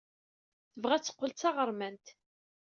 Tebɣa ad teqqel d taɣermant.